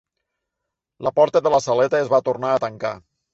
La porta de la saleta es va tornar ar a tancar.